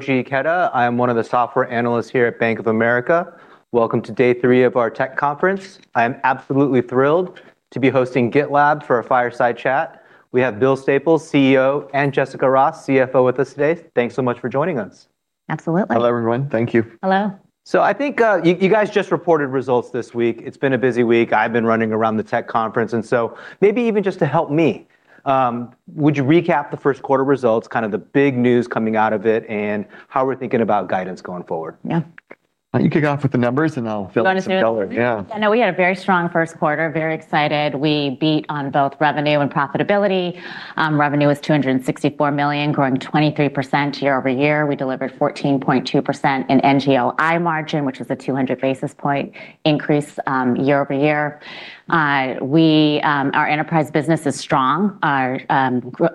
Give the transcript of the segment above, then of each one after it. Koji Ikeda. I am one of the software analysts here at Bank of America. Welcome to day three of our tech conference. I am absolutely thrilled to be hosting GitLab for a fireside chat. We have Bill Staples, CEO, and Jessica Ross, CFO, with us today. Thanks so much for joining us. Absolutely. Hello, everyone. Thank you. Hello. I think you guys just reported results this week. It's been a busy week. I've been running around the tech conference, and so maybe even just to help me, would you recap the first quarter results, the big news coming out of it, and how we're thinking about guidance going forward? Yeah. Why don't you kick off with the numbers and I'll fill in some color. The numbers? Yeah. I know we had a very strong first quarter, very excited. We beat on both revenue and profitability. Revenue was $264 million, growing 23% year-over-year. We delivered 14.2% in NGLI margin, which was a 200-basis point increase year-over-year. Our enterprise business is strong.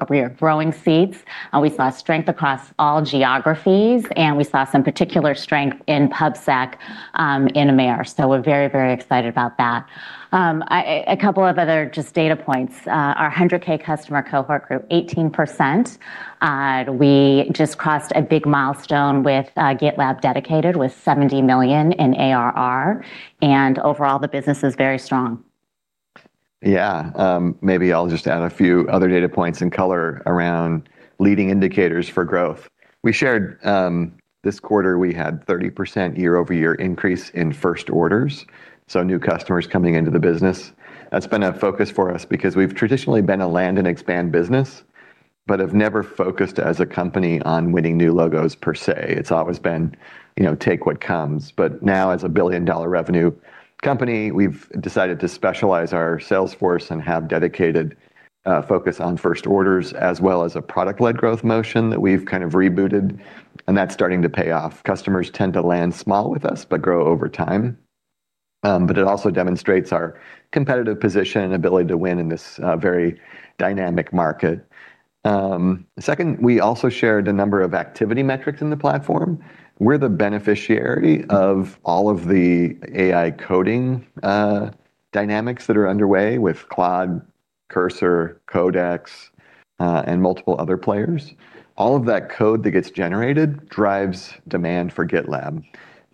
We are growing seats. We saw strength across all geographies, and we saw some particular strength in PubSec in AMER. We're very excited about that. A couple of other just data points. Our 100K customer cohort grew 18%. We just crossed a big milestone with GitLab Dedicated with $70 million in ARR, and overall, the business is very strong. Yeah. Maybe I'll just add a few other data points and color around leading indicators for growth. We shared this quarter we had 30% year-over-year increase in first orders, so new customers coming into the business. That's been a focus for us because we've traditionally been a land and expand business, but have never focused as a company on winning new logos per se. It's always been take what comes. Now as a billion-dollar revenue company, we've decided to specialize our sales force and have dedicated focus on first orders, as well as a product-led growth motion that we've rebooted, and that's starting to pay off. Customers tend to land small with us but grow over time. It also demonstrates our competitive position and ability to win in this very dynamic market. Second, we also shared a number of activity metrics in the platform. We're the beneficiary of all of the AI coding dynamics that are underway with Claude, Cursor, Codex, and multiple other players. All of that code that gets generated drives demand for GitLab,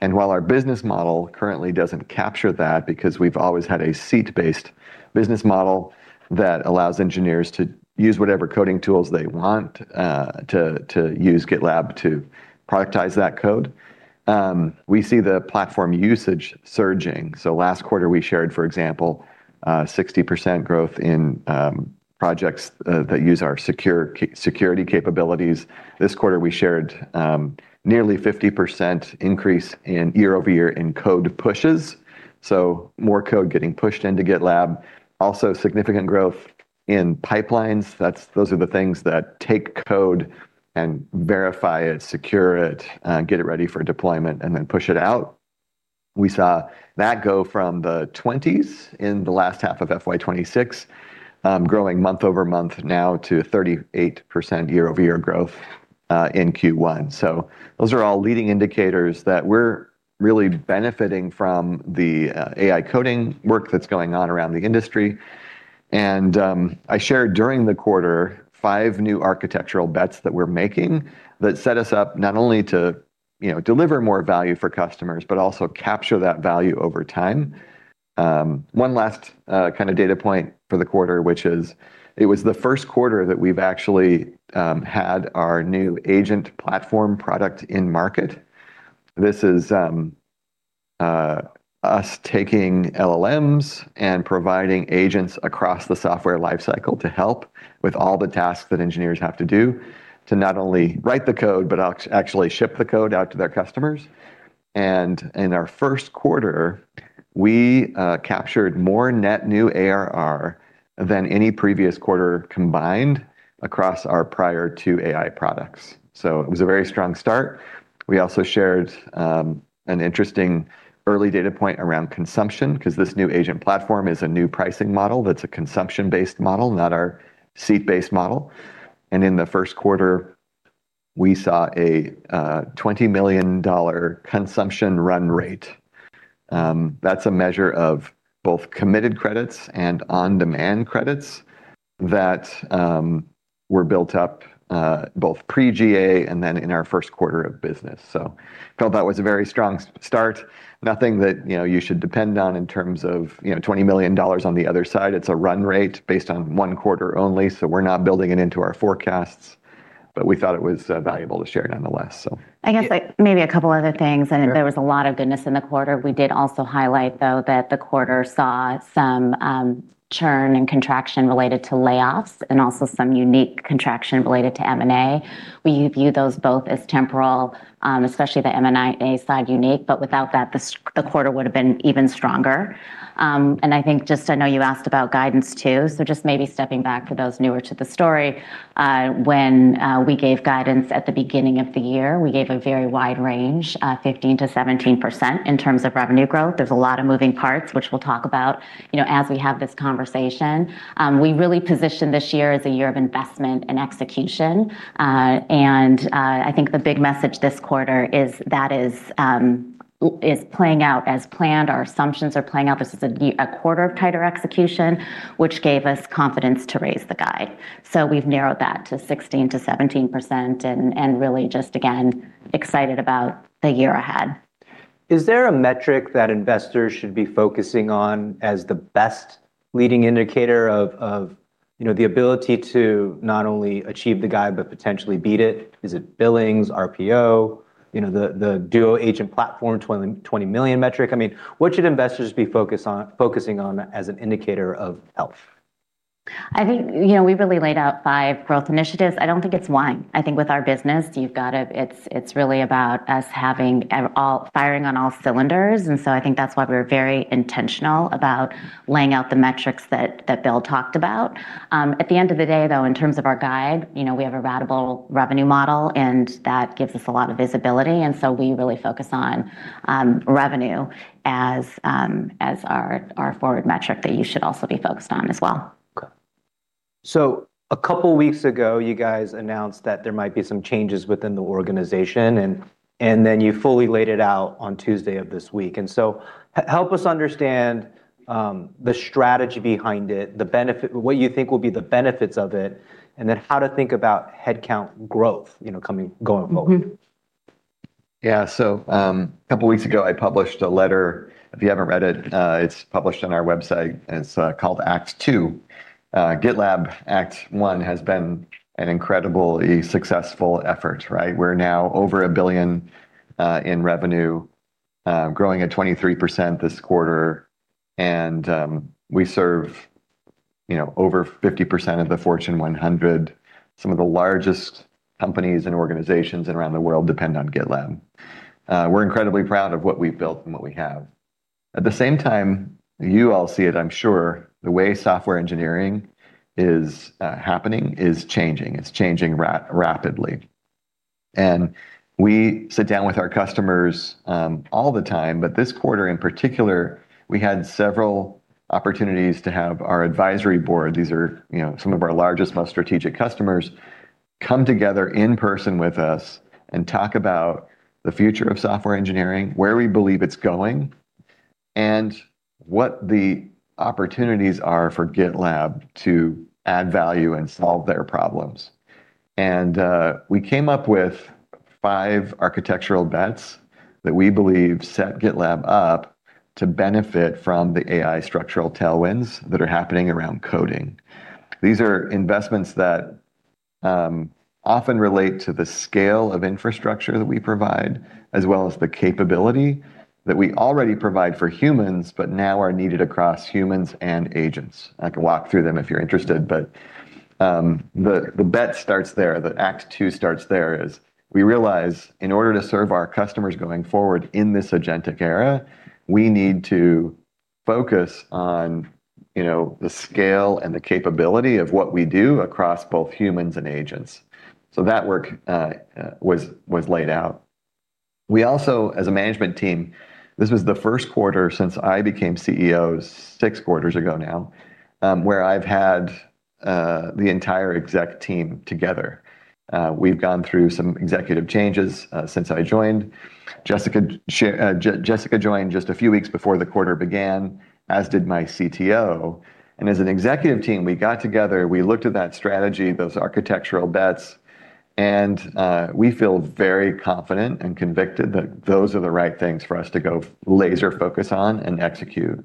and while our business model currently doesn't capture that because we've always had a seat-based business model that allows engineers to use whatever coding tools they want to use GitLab to productize that code, we see the platform usage surging. Last quarter, we shared, for example, 60% growth in projects that use our security capabilities. This quarter, we shared nearly 50% increase in year-over-year in code pushes, so more code getting pushed into GitLab. Also significant growth in pipelines. Those are the things that take code and verify it, secure it, get it ready for deployment, and then push it out. We saw that go from the 20s in the last half of FY 2026, growing month-over-month now to 38% year-over-year growth in Q1. Those are all leading indicators that we're really benefiting from the AI coding work that's going on around the industry. I shared during the quarter five new architectural bets that we're making that set us up not only to deliver more value for customers but also capture that value over time. One last data point for the quarter, which is it was the first quarter that we've actually had our new agent platform product in market. This is us taking LLMs and providing agents across the software life cycle to help with all the tasks that engineers have to do to not only write the code but actually ship the code out to their customers. In our first quarter, we captured more net new ARR than any previous quarter combined across our prior two AI products. It was a very strong start. We also shared an interesting early data point around consumption because this new Agent Platform is a new pricing model that's a consumption-based model, not our seat-based model. In the first quarter, we saw a $20 million consumption run rate. That's a measure of both committed credits and on-demand credits that were built up both pre-GA and then in our first quarter of business. Felt that was a very strong start. Nothing that you should depend on in terms of $20 million on the other side. It's a run rate based on one quarter only, so we're not building it into our forecasts. We thought it was valuable to share, nonetheless. I guess maybe a couple other things. Sure. There was a lot of goodness in the quarter. We did also highlight, though, that the quarter saw some churn and contraction related to layoffs and also some unique contraction related to M&A, where you view those both as temporal, especially the M&A side unique, but without that, the quarter would've been even stronger. I think just I know you asked about guidance too, so just maybe stepping back for those newer to the story. When we gave guidance at the beginning of the year, we gave a very wide range, 15%-17%, in terms of revenue growth. There's a lot of moving parts which we'll talk about as we have this conversation. We really positioned this year as a year of investment and execution. I think the big message this quarter is that is playing out as planned. Our assumptions are playing out. This is a quarter of tighter execution, which gave us confidence to raise the guide. We've narrowed that to 16%-17% and really just, again, excited about the year ahead. Is there a metric that investors should be focusing on as the best leading indicator of the ability to not only achieve the guide but potentially beat it? Is it billings, RPO, the Duo Agent Platform, 20 million metrics. What should investors be focusing on as an indicator of health? I think we've really laid out five growth initiatives. I don't think it's one. I think with our business, it's really about us firing on all cylinders. I think that's why we're very intentional about laying out the metrics that Bill talked about. At the end of the day, though, in terms of our guide, we have a ratable revenue model, and that gives us a lot of visibility. We really focus on revenue as our forward metric that you should also be focused on as well. Okay. A couple of weeks ago, you guys announced that there might be some changes within the organization, and then you fully laid it out on Tuesday of this week. Help us understand the strategy behind it, what you think will be the benefits of it, and then how to think about headcount growth going forward. A couple of weeks ago, I published a letter. If you haven't read it's published on our website, and it's called Act Two. GitLab Act One has been an incredibly successful effort. We're now over $1 billion in revenue, growing at 23% this quarter, and we serve over 50% of the Fortune 100. Some of the largest companies and organizations around the world depend on GitLab. We're incredibly proud of what we've built and what we have. At the same time, you all see it, I'm sure, the way software engineering is happening is changing. It's changing rapidly. We sit down with our customers all the time, but this quarter in particular, we had several opportunities to have our advisory board, these are some of our largest, most strategic customers, come together in person with us and talk about the future of software engineering, where we believe it's going, and what the opportunities are for GitLab to add value and solve their problems. We came up with five architectural bets that we believe set GitLab up to benefit from the AI structural tailwinds that are happening around coding. These are investments that often relate to the scale of infrastructure that we provide, as well as the capability that we already provide for humans, but now are needed across humans and agents. I can walk through them if you're interested, the bet starts there. The Act Two starts, we realize in order to serve our customers going forward in this agentic era, we need to focus on the scale and the capability of what we do across both humans and agents. We also, as a management team, this was the first quarter since I became CEO six quarters ago now, where I've had the entire exec team together. We've gone through some executive changes since I joined. Jessica joined just a few weeks before the quarter began, as did my CTO. As an executive team, we got together, we looked at that strategy, those architectural bets, and we feel very confident and convicted that those are the right things for us to go laser focus on and execute.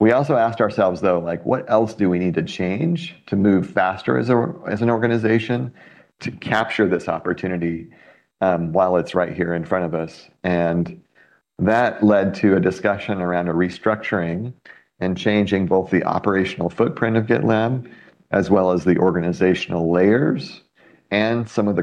We also asked ourselves, though, what else do we need to change to move faster as an organization to capture this opportunity while it's right here in front of us? That led to a discussion around a restructuring and changing both the operational footprint of GitLab as well as the organizational layers and some of the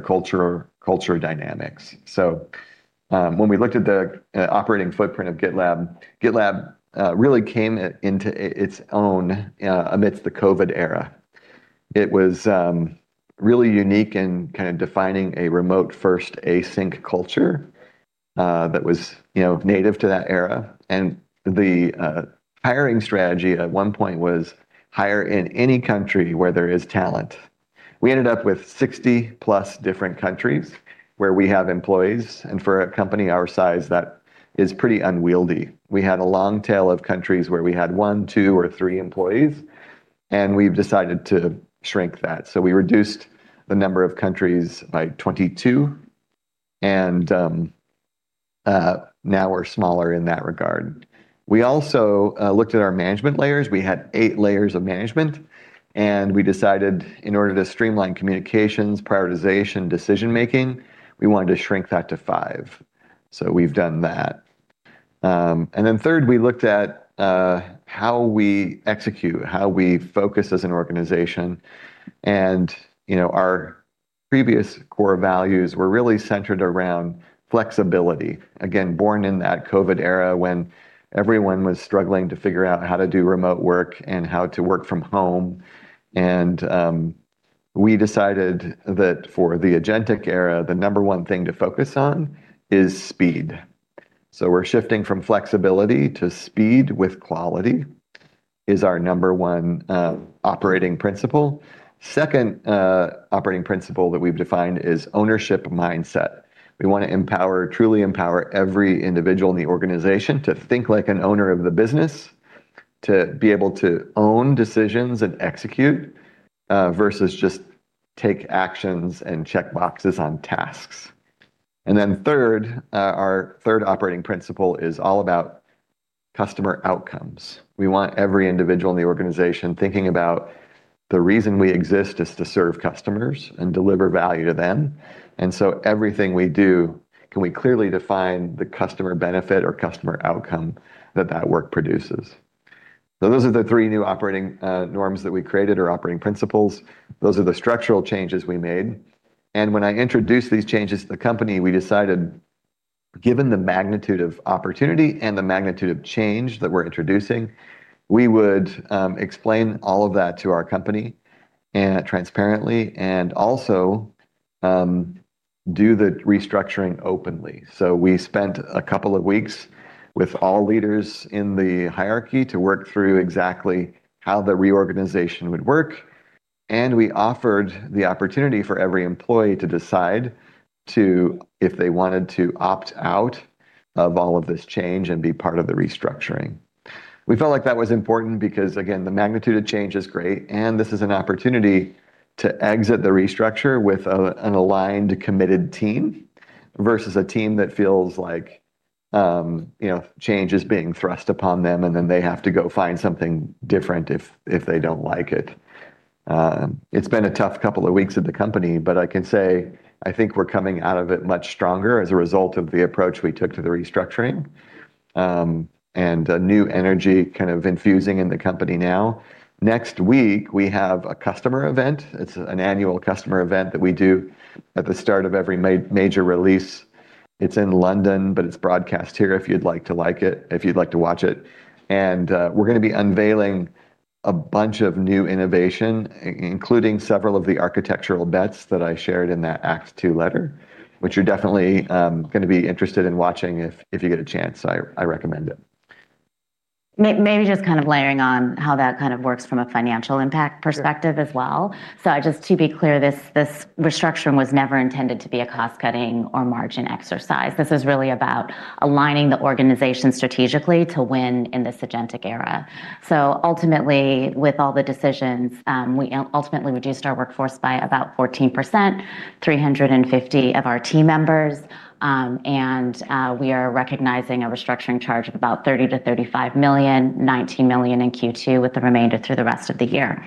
culture dynamics. When we looked at the operating footprint of GitLab really came into its own amidst the COVID era. It was really unique in defining a remote-first async culture that was native to that era. The hiring strategy at one point was hire in any country where there is talent. We ended up with 60 plus different countries where we have employees, and for a company our size, that is pretty unwieldy. We had a long tail of countries where we had one, two, or three employees, and we've decided to shrink that. We reduced the number of countries by 22, and now we're smaller in that regard. We also looked at our management layers. We had eight layers of management, and we decided in order to streamline communications, prioritization, decision-making, we wanted to shrink that to five. We've done that. Third, we looked at how we execute, how we focus as an organization. Our previous core values were really centered around flexibility. Again, born in that COVID era when everyone was struggling to figure out how to do remote work and how to work from home. We decided that for the agentic era, the number one thing to focus on is speed. We're shifting from flexibility to speed with quality is our number one operating principle. Second operating principle that we've defined is ownership mindset. We want to truly empower every individual in the organization to think like an owner of the business, to be able to own decisions and execute, versus just take actions and check boxes on tasks. Third, our third operating principle is all about customer outcomes. We want every individual in the organization thinking about the reason we exist is to serve customers and deliver value to them. Everything we do, can we clearly define the customer benefit or customer outcome that that work produces? Those are the three new operating norms that we created, or operating principles. Those are the structural changes we made. When I introduced these changes to the company, we decided, given the magnitude of opportunity and the magnitude of change that we're introducing, we would explain all of that to our company transparently and also do the restructuring openly. We spent a couple of weeks with all leaders in the hierarchy to work through exactly how the reorganization would work, and we offered the opportunity for every employee to decide if they wanted to opt out of all of this change and be part of the restructuring. We felt like that was important because, again, the magnitude of change is great, and this is an opportunity to exit the restructure with an aligned, committed team, versus a team that feels like change is being thrust upon them, and then they have to go find something different if they don't like it. It's been a tough couple of weeks at the company, but I can say I think we're coming out of it much stronger as a result of the approach we took to the restructuring, and a new energy kind of infusing in the company now. Next week, we have a customer event. It's an annual customer event that we do at the start of every major release. It's in London, but it's broadcast here if you'd like to watch it. We're going to be unveiling a bunch of new innovation, including several of the architectural bets that I shared in that Act Two letter, which you're definitely going to be interested in watching if you get a chance. I recommend it. Layering on how that works from a financial impact perspective as well. Just to be clear, this restructuring was never intended to be a cost-cutting or margin exercise. This is really about aligning the organization strategically to win in this agentic era. Ultimately, with all the decisions, we ultimately reduced our workforce by about 14%, 350 of our team members. We are recognizing a restructuring charge of about $30 million-$35 million, $19 million in Q2, with the remainder through the rest of the year.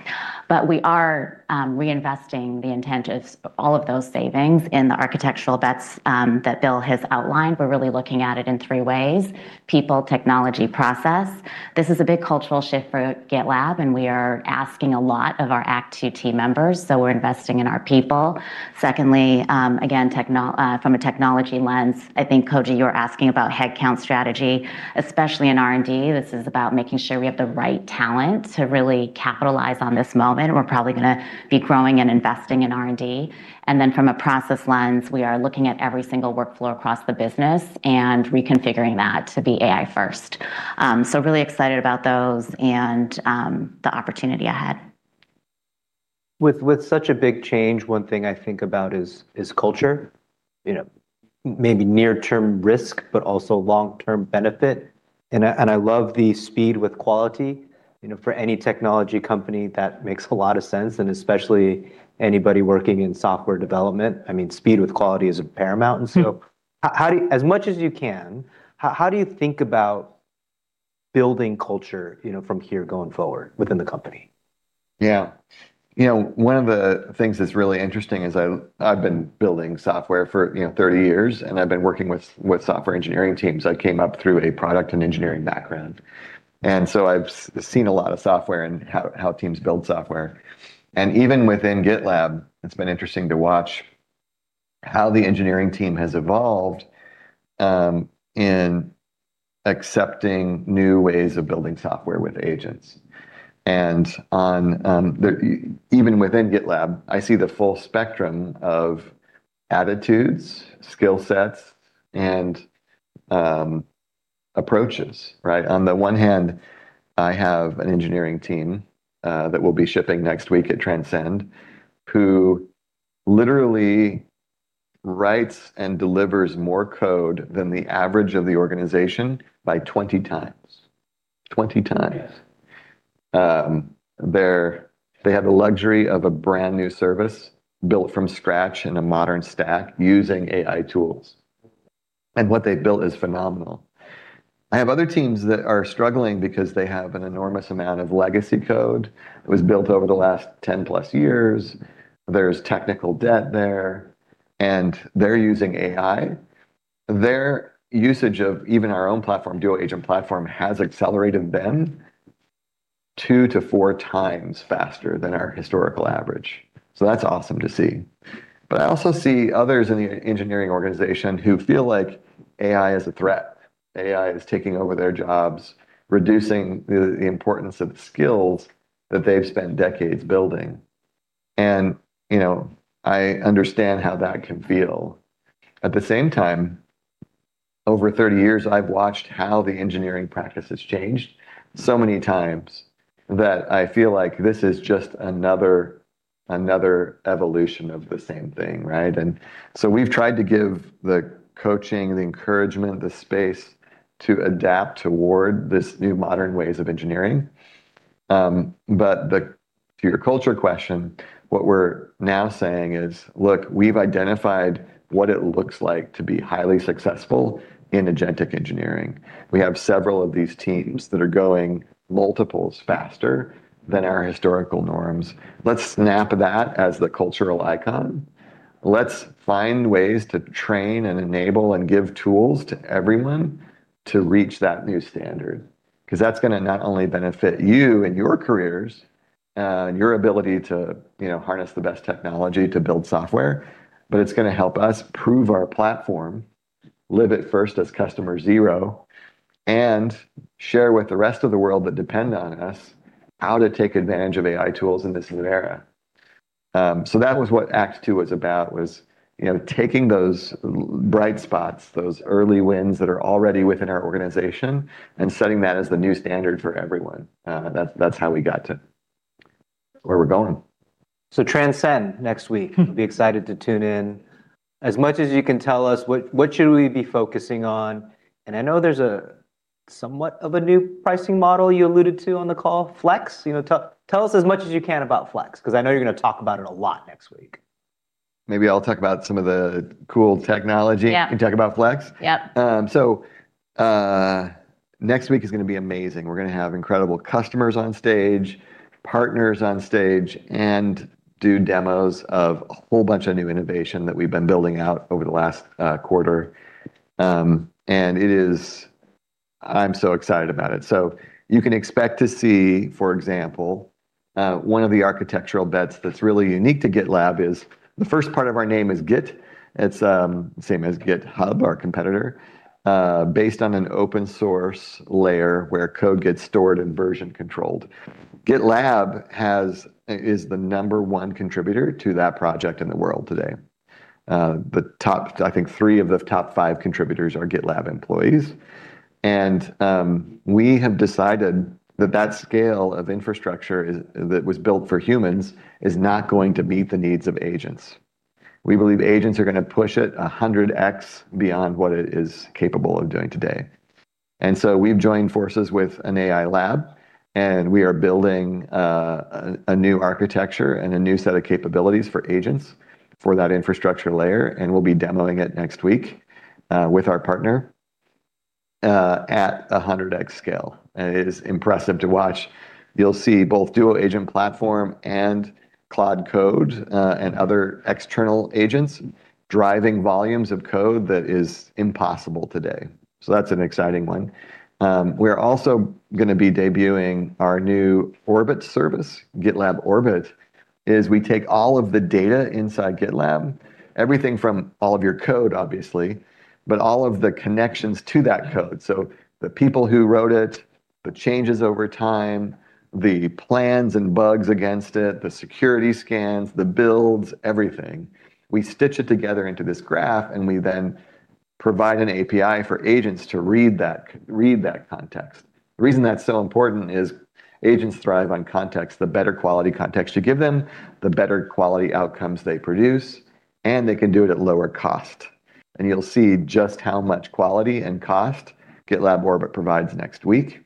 We are reinvesting the intent of all of those savings in the architectural bets that Bill has outlined. We're really looking at it in three ways: people, technology, process. This is a big cultural shift for GitLab, and we are asking a lot of our Act Two team members, so we're investing in our people. Secondly, again, from a technology lens, I think Koji, you were asking about headcount strategy, especially in R&D. This is about making sure we have the right talent to really capitalize on this moment. We're probably going to be growing and investing in R&D. From a process lens, we are looking at every single workflow across the business and reconfiguring that to be AI first. Really excited about those and the opportunity ahead. With such a big change, one thing I think about is culture, maybe near-term risk, but also long-term benefit. I love the speed with quality. For any technology company, that makes a lot of sense, and especially anybody working in software development, speed with quality is paramount. As much as you can, how do you think about building culture from here going forward within the company? Yeah. One of the things that's really interesting is I've been building software for 30 years, and I've been working with software engineering teams. I came up through a product and engineering background, so I've seen a lot of software and how teams build software. Even within GitLab, it's been interesting to watch how the engineering team has evolved in accepting new ways of building software with agents. Even within GitLab, I see the full spectrum of attitudes, skill sets, and approaches, right? On the one hand, I have an engineering team that will be shipping next week at Transcend, who literally writes and delivers more code than the average of the organization by 20 times. 20 times. Yeah. They have the luxury of a brand-new service built from scratch in a modern stack using AI tools, and what they built is phenomenal. I have other teams that are struggling because they have an enormous amount of legacy code that was built over the last 10-plus years. There's technical debt there, and they're using AI. Their usage of even our own platform, GitLab Duo Agent Platform, has accelerated them two to four times faster than our historical average. That's awesome to see. I also see others in the engineering organization who feel like AI is a threat. AI is taking over their jobs, reducing the importance of skills that they've spent decades building. I understand how that can feel. At the same time, over 30 years, I've watched how the engineering practice has changed so many times that I feel like this is just another evolution of the same thing, right? We've tried to give the coaching, the encouragement, the space to adapt toward this new modern ways of engineering. To your culture question, what we're now saying is, look, we've identified what it looks like to be highly successful in agentic engineering. We have several of these teams that are going multiples faster than our historical norms. Let's snap that as the cultural icon. Let's find ways to train and enable and give tools to everyone to reach that new standard, because that's going to not only benefit you and your careers and your ability to harness the best technology to build software, but it's going to help us prove our platform, live it first as customer zero, and share with the rest of the world that depend on us how to take advantage of AI tools in this new era. That was what Act Two was about, was taking those bright spots, those early wins that are already within our organization, and setting that as the new standard for everyone. That's how we got to where we're going. GitLab Transcend next week. Be excited to tune in as much as you can tell us what should we be focusing on? I know there's a somewhat of a new pricing model you alluded to on the call, GitLab Flex. Tell us as much as you can about GitLab Flex, because I know you're going to talk about it a lot next week. Maybe I'll talk about some of the cool technology. Yeah. You can talk about Flex. Yep. Next week is going to be amazing. We're going to have incredible customers on stage, partners on stage, and do demos of a whole bunch of new innovation that we've been building out over the last quarter. I'm so excited about it. You can expect to see, for example, one of the architectural bets that's really unique to GitLab is the first part of our name is Git. It's same as GitHub, our competitor, based on an open source layer where code gets stored and version controlled. GitLab is the number one contributor to that project in the world today. The top, I think, three of the top five contributors are GitLab employees. We have decided that that scale of infrastructure that was built for humans is not going to meet the needs of agents. We believe agents are going to push it 100x beyond what it is capable of doing today. So we've joined forces with an AI lab, and we are building a new architecture and a new set of capabilities for agents for that infrastructure layer, and we'll be demoing it next week with our partner at 100x scale. It is impressive to watch. You'll see both GitLab Duo Agent Platform and Cloud Code and other external agents driving volumes of code that is impossible today. That's an exciting one. We're also going to be debuting our new GitLab Orbit service. GitLab Orbit is we take all of the data inside GitLab, everything from all of your code, obviously, but all of the connections to that code. The people who wrote it, the changes over time, the plans and bugs against it, the security scans, the builds, everything. We stitch it together into this graph. We then provide an API for agents to read that context. The reason that's so important is agents thrive on context. The better quality context you give them, the better quality outcomes they produce, and they can do it at lower cost. You'll see just how much quality and cost GitLab Orbit provides next week.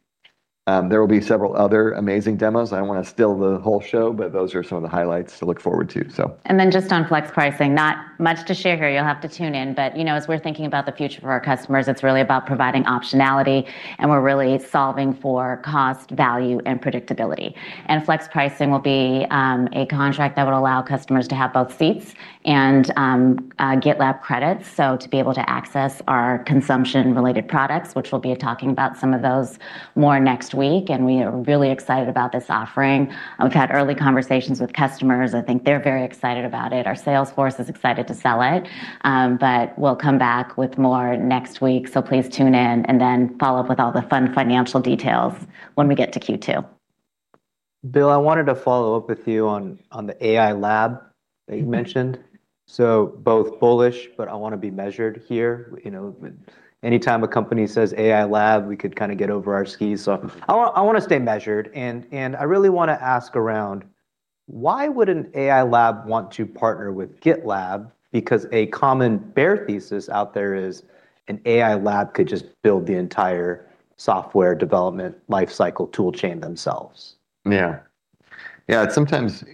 There will be several other amazing demos. I don't want to steal the whole show, but those are some of the highlights to look forward to. Just on flex pricing, not much to share here. You'll have to tune in. As we're thinking about the future for our customers, it's really about providing optionality, and we're really solving for cost, value, and predictability. Flex pricing will be a contract that would allow customers to have both seats and GitLab credits. To be able to access our consumption-related products, which we'll be talking about some of those more next week, and we are really excited about this offering. We've had early conversations with customers. I think they're very excited about it. Our sales force is excited to sell it. We'll come back with more next week. Please tune in and then follow up with all the fun financial details when we get to Q2. Bill, I wanted to follow up with you on the AI lab that you mentioned. Both bullish, I want to be measured here. Anytime a company says AI lab, we could kind of get over our skis. I want to stay measured I really want to ask around, why would an AI lab want to partner with GitLab? A common bear thesis out there is an AI lab could just build the entire software development lifecycle tool chain themselves. Yeah. Sometimes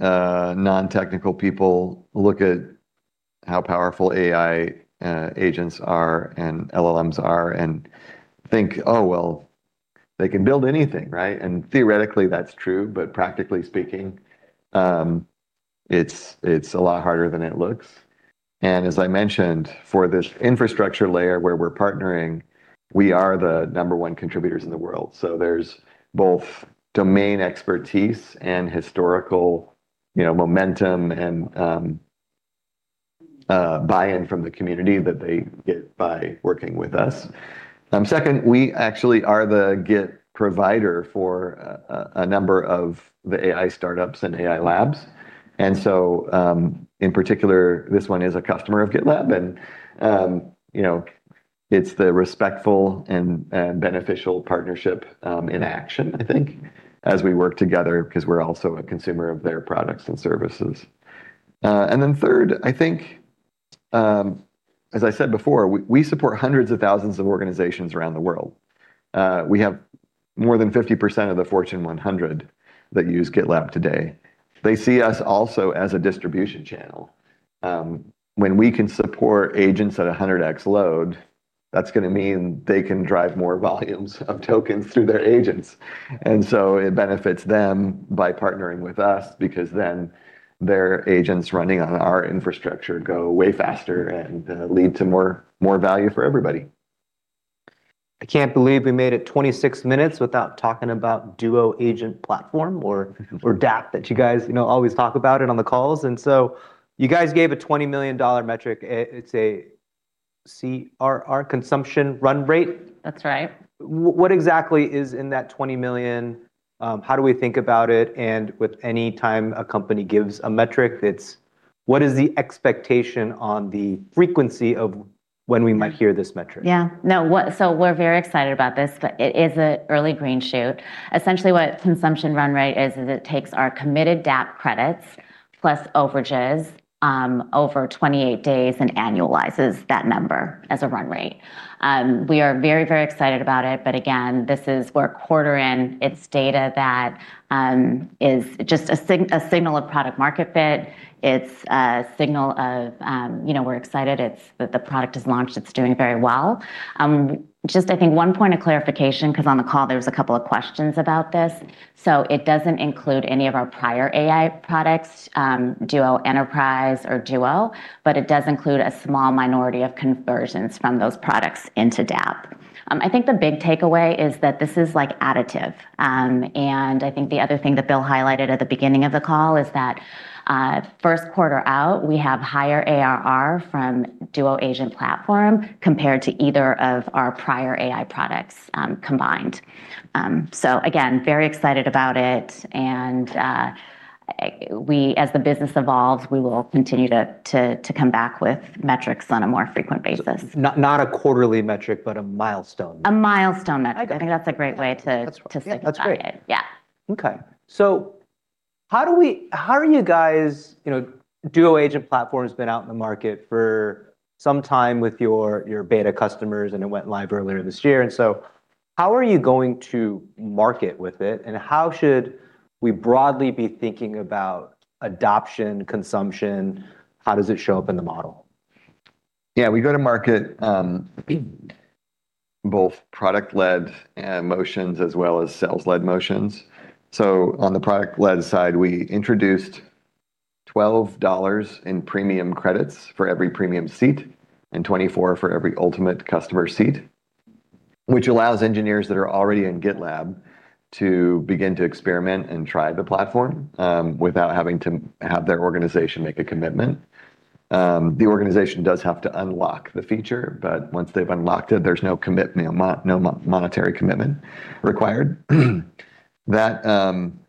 non-technical people look at how powerful AI agents are and LLMs are and think, "Oh, well, they can build anything," right? Theoretically, that's true, but practically speaking it's a lot harder than it looks. As I mentioned, for this infrastructure layer where we're partnering, we are the number one contributors in the world. There's both domain expertise and historical momentum and buy-in from the community that they get by working with us. Second, we actually are the Git provider for a number of the AI startups and AI labs. In particular, this one is a customer of GitLab. It's the respectful and beneficial partnership in action, I think, as we work together because we're also a consumer of their products and services. Third, I think, as I said before, we support hundreds of thousands of organizations around the world. We have more than 50% of the Fortune 100 that use GitLab today. They see us also as a distribution channel. When we can support agents at 100x load, that's going to mean they can drive more volumes of tokens through their agents. It benefits them by partnering with us because then their agents running on our infrastructure go way faster and lead to more value for everybody. I can't believe we made it 26 minutes without talking about Duo Agent Platform or DAP that you guys always talk about it on the calls. You guys gave a $20 million metric. It's a CR consumption run rate. That's right. What exactly is in that $20 million? How do we think about it? With any time a company gives a metric, what is the expectation on the frequency of when we might hear this metric? We're very excited about this, but it is an early green shoot. Essentially what consumption run rate is it takes our committed DAP credits plus overages over 28 days and annualizes that number as a run rate. We are very excited about it. Again, this is we're a quarter in, it's data that is just a signal of product market fit. It's a signal of we're excited that the product is launched, it's doing very well. Just I think one point of clarification because on the call, there was a couple of questions about this. It doesn't include any of our prior AI products, Duo Enterprise or Duo, but it does include a small minority of conversions from those products into DAP. I think the big takeaway is that this is additive. I think the other thing that Bill highlighted at the beginning of the call is that, first quarter out, we have higher ARR from Duo Agent Platform compared to either of our prior AI products combined. Again, very excited about it and as the business evolves, we will continue to come back with metrics on a more frequent basis. Not a quarterly metric, but a milestone. A milestone metric. Okay. I think that's a great way. That's right. think about it. That's great. Yeah. Okay. How are you guys, Duo Agent Platform's been out in the market for some time with your beta customers, and it went live earlier this year? How are you going to market with it, and how should we broadly be thinking about adoption, consumption? How does it show up in the model? Yeah, we go to market, both product-led motions as well as sales-led motions. On the product-led side, we introduced $12 in premium credits for every premium seat and 24 for every ultimate customer seat, which allows engineers that are already in GitLab to begin to experiment and try the platform, without having to have their organization make a commitment. The organization does have to unlock the feature, but once they've unlocked it, there's no monetary commitment required. That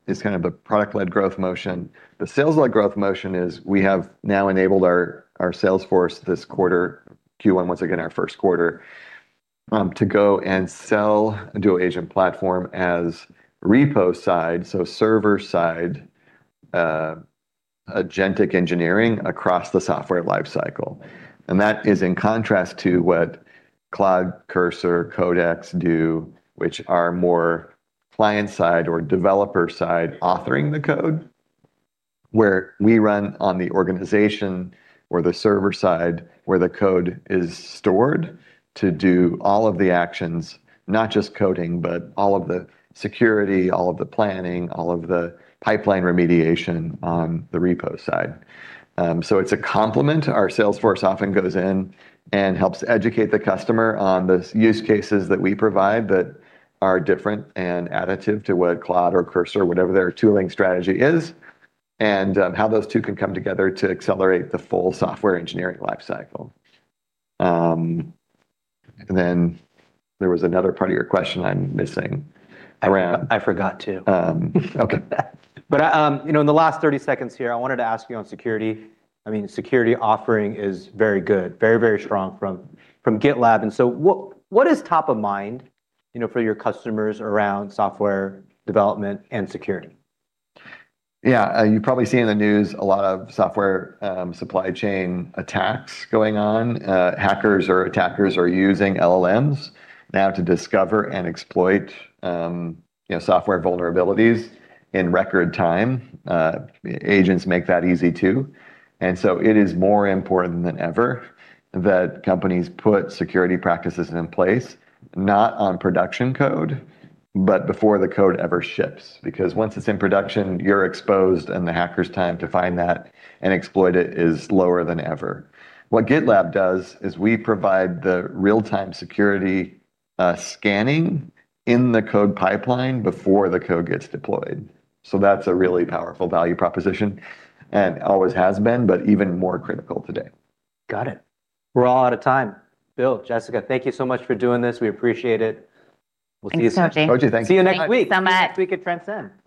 is kind of the product-led growth motion. The sales-led growth motion is we have now enabled our sales force this quarter, Q1, once again, our first quarter, to go and sell Duo Agent Platform as repo side, so server side, agentic engineering across the software life cycle. That is in contrast to what Cursor or Codex do, which are more client side or developer side authoring the code, where we run on the organization or the server side where the code is stored to do all of the actions, not just coding, but all of the security, all of the planning, all of the pipeline remediation on the repo side. It's a complement. Our sales force often goes in and helps educate the customer on the use cases that we provide that are different and additive to what Claude or Cursor, whatever their tooling strategy is, and how those two can come together to accelerate the full software development lifecycle. Then there was another part of your question I'm missing around. I forgot too. Okay. In the last 30 seconds here, I wanted to ask you on security. Security offering is very good, very strong from GitLab. What is top of mind for your customers around software development and security? Yeah. You've probably seen in the news a lot of software supply chain attacks going on. Hackers or attackers are using LLMs now to discover and exploit software vulnerabilities in record time. Agents make that easy too. It is more important than ever that companies put security practices in place, not on production code, but before the code ever ships. Because once it's in production, you're exposed and the hacker's time to find that and exploit it is lower than ever. What GitLab does is we provide the real-time security scanning in the code pipeline before the code gets deployed. That's a really powerful value proposition and always has been, but even more critical today. Got it. We're all out of time. Bill, Jessica, thank you so much for doing this. We appreciate it. We'll see you soon. Thanks, Koji. Thank you. See you next week. Thanks so much. See you next week at Transcend.